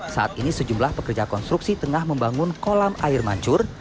saat ini sejumlah pekerja konstruksi tengah membangun kolam air mancur